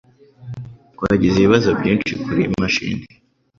Twagize ibibazo byinshi kuriyi mashini